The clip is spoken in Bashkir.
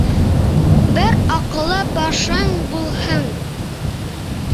Бер аҡыллы башың булһын.